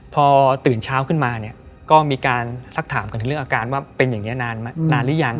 พอตื่นเช้าขึ้นมาเนี่ยก็มีการสักถามกันถึงเรื่องอาการว่าเป็นอย่างนี้นานหรือยัง